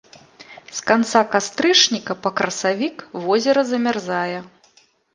З канца кастрычніка па красавік возера замярзае.